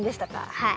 はい。